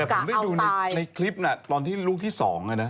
โอ้โหค่ะแต่พอได้ดูในคลิปนี่ครึ่บตอนที่ลูกที่๒นะแรงมาก